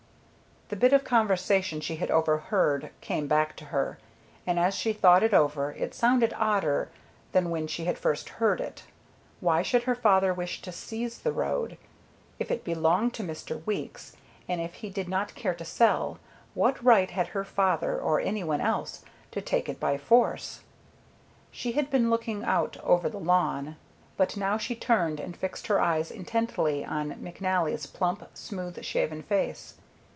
The bit of conversation she had overheard came back to her, and as she thought it over it sounded odder than when she had first heard it. Why should her father wish to seize the road? If it belonged to Mr. Weeks, and if he did not care to sell, what right had her father or any one else to take it by force? She had been looking out over the lawn, but now she turned and fixed her eyes intently on McNally's plump, smooth shaven face.